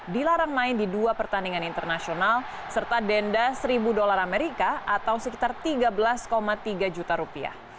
dilarang main di dua pertandingan internasional serta denda seribu dolar amerika atau sekitar tiga belas tiga juta rupiah